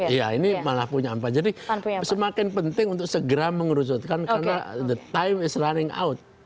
iya ini malah punya empat jadi semakin penting untuk segera mengerucutkan karena the time is running out